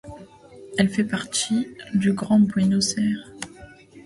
Elle fait partie du Grand Buenos Aires.